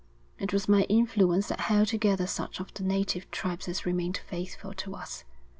It was my influence that held together such of the native tribes as remained faithful to us.